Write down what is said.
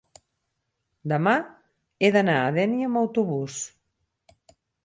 Demà he d'anar a Dénia amb autobús.